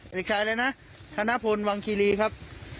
เด็กชายเลยนะธนพลวังคีรีครับ